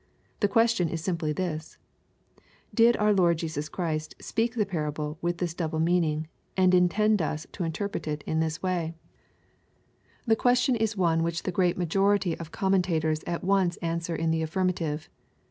The question is simply this :—" Did our Lord Jesus Christ speak the parable with tiiis double mea'oing, and intend us to interpret it in tb*J way?" 382 EXPO&ITOBT THOUGHTS. \ The question is one which the great majority of cooimentutors at once answer in the affirmatiye.